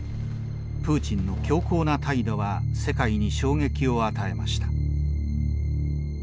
プーチンの強硬な態度は世界に衝撃を与えました。